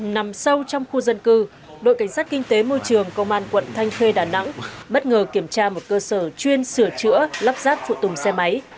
nằm sâu trong khu dân cư đội cảnh sát kinh tế môi trường công an quận thanh khê đà nẵng bất ngờ kiểm tra một cơ sở chuyên sửa chữa lắp rát phụ tùng xe máy